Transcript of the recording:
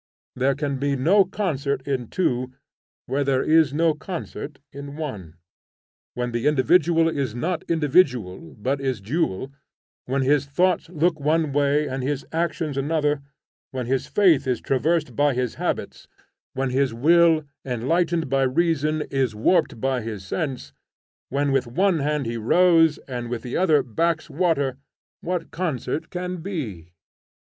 There can be no concert in two, where there is no concert in one. When the individual is not individual, but is dual; when his thoughts look one way and his actions another; when his faith is traversed by his habits; when his will, enlightened by reason, is warped by his sense; when with one hand he rows and with the other backs water, what concert can be?